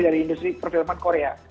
dari industri perfilman korea